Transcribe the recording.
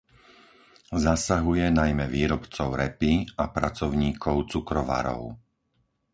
Zasahuje najmä výrobcov repy a pracovníkov cukrovarov.